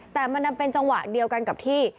แต่มันนำเป็นจังหวะเดียวกันกับที่